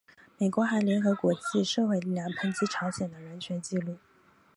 美国还联合国际社会力量抨击朝鲜的人权纪录。